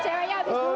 ceweknya habis duluan